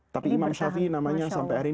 tapi imam shafi'i namanya sampai hari ini